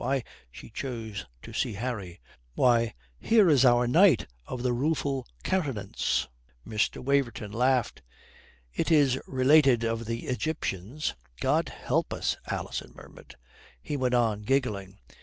Why," she chose to see Harry "why, here is our knight of the rueful countenance!" Mr. Waverton laughed. "It is related of the Egyptians " "God help us," Alison murmured. He went on, giggling.